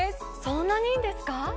そんなにいいんですか？